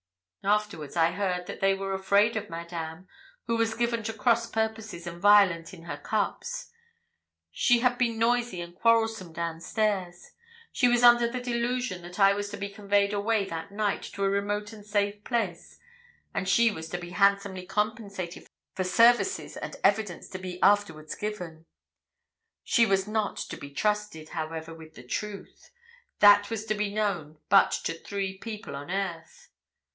Afterwards I heard that they were afraid of Madame, who was given to cross purposes, and violent in her cups. She had been noisy and quarrelsome downstairs. She was under the delusion that I was to be conveyed away that night to a remote and safe place, and she was to be handsomely compensated for services and evidence to be afterwards given. She was not to be trusted, however, with the truth. That was to be known but to three people on earth.